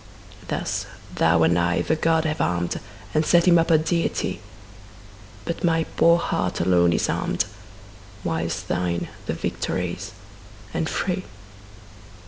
Thus thou and I the god have arm'd And set him up a deity; But my poor heart alone is harm'd, 15 Whilst thine the victor is, and free!